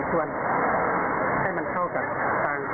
เพื่อนที่ก๋วยเตี๋ยวเรือนี่ก็ด้านมาจากภาคอีเทศจ้ะ